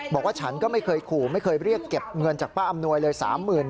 บอกว่าฉันก็ไม่เคยขู่ไม่เคยเรียกเก็บเงินจากป้าอำนวยเลย